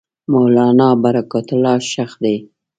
مولنا برکت الله ښخ دی.